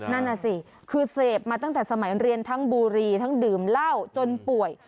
นั่นน่ะสิคือเสพมาตั้งแต่สมัยเรียนทั้งบุรีทั้งดื่มเหล้าจนป่วย